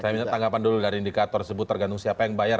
saya minta tanggapan dulu dari indikator tersebut tergantung siapa yang bayar